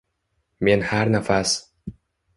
Men har nafas